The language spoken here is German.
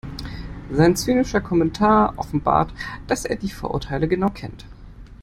Sein zynischer Kommentar offenbart, dass er die Vorurteile genau kennt.